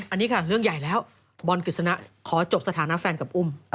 อันนี้ค่ะเรื่องใหญ่แล้วบอลกฤษณะขอจบสถานะแฟนกับอุ้ม